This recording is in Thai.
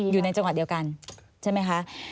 อยู่ในจังหวัดเดียวกันใช่ไหมคะ